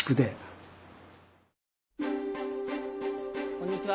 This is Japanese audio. こんにちは。